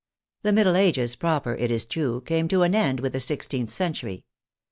The middle ages, proper, it is true, came to an end with the i6th century.